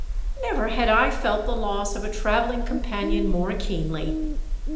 Never had I felt the loss of a traveling com panion more keenly.